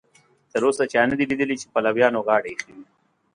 تر اوسه چا نه دي لیدلي چې پلویانو غاړه ایښې وي.